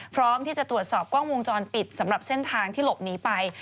พร้อมที่จะตรวจสอบกล้องวงจรปิดสำหรับเส้นทางที่หลบหนีไป